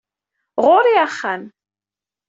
Ɣur-i axxam.